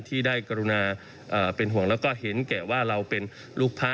ที่ได้กรุณาเป็นห่วงแล้วก็เห็นแก่ว่าเราเป็นลูกพระ